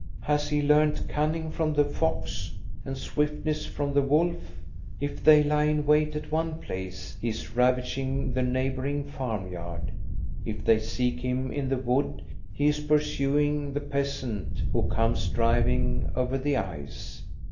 Has he learned cunning from the fox, and swiftness from the wolf? If they lie in wait at one place, he is ravaging the neighboring farmyard; if they seek him in the wood, he is pursuing the peasant, who comes driving over the ice.